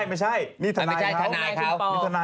ไม่ใช่นี่ทนายครับ